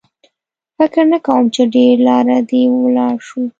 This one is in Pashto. فکر نه کوم چې ډېره لار دې ولاړ شو.